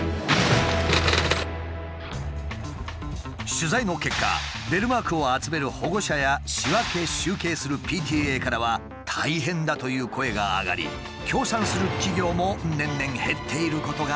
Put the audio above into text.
取材の結果ベルマークを集める保護者や仕分け・集計するＰＴＡからは大変だという声が上がり協賛する企業も年々減っていることが分かった。